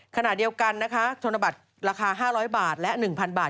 ขณะเดียวกันนะคะธนบัตรราคา๕๐๐บาทและ๑๐๐บาท